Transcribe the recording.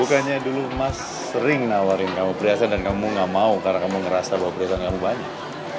bukannya dulu mas sering nawarin kamu priasa dan kamu gak mau karena kamu ngerasa priasa kamu banyak